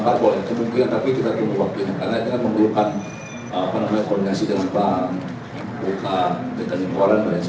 beberapa hari ini itu dilakukan pemeriksaan oleh polri